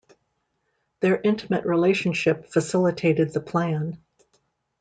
Their intimate relationship facilitated the plan.